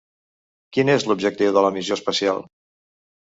Quin és l'objectiu de la missió espacial?